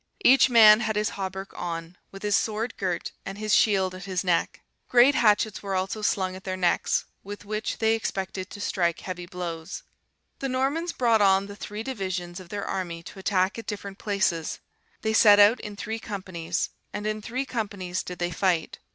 Each man had his hauberk on, with his sword girt, and his shield at his neck. Great hatchets were also slung at their necks, with which they expected to strike heavy blows. "The Normans brought on the three divisions of their army to attack at different places. They set out in three companies, and in three companies did they fight.